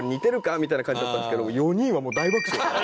みたいな感じだったんですけど４人はもう大爆笑。